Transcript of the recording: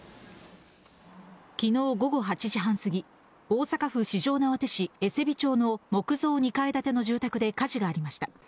きのう午後８時半過ぎ、大阪府四条畷市えせび町の木造２階建ての住宅で火事がありました。